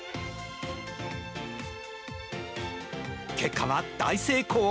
結果は大成功。